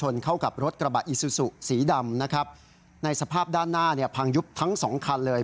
ในสภาพด้านหน้าพังยุบทั้ง๒คันเลย